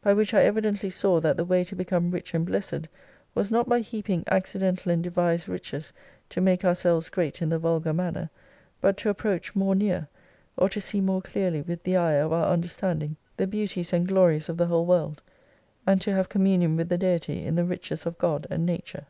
By which I evidently saw that the way to become rich and blessed was not by heaping accidental and devised riches to make ourselves great in the vulgar manner, but to approach more near, or to see more clearly with he eye of our understanding, the beauties and glories of the whole world : and to have communion with the Deity in the riches of God and Nature.